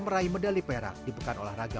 meraih medali perak di pekan olahraga